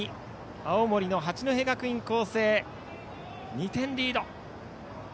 青森の八戸学院光星２点リード。